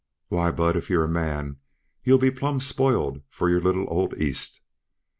"Why, Bud, if you're a man, you'll be plumb spoiled for your little old East."